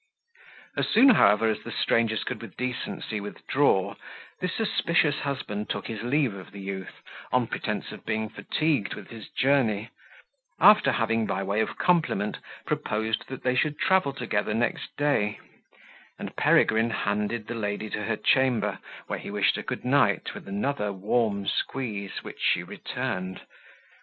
As soon, however, as the strangers could with decency withdraw, this suspicious husband took his leave of the youth, on pretence of being fatigued with his journey, after having, by way of compliment, proposed that they should travel together next day; and Peregrine handed the lady to her chamber, where he wished her good night with another warm squeeze, which she returned.